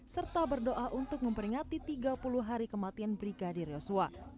serta berdoa untuk memperingati tiga puluh hari kematian brigadir yosua